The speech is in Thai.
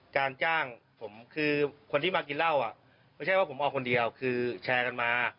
การจ้างผมคือคนที่มากินเหล้าอ่ะไม่ใช่ว่าผมออกคนเดียวคือแชร์กันมา